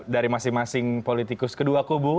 dari masing masing politikus kedua kubu